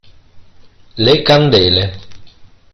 Le candele.